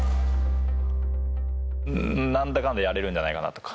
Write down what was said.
なんだかんだやれるんじゃないかなとか。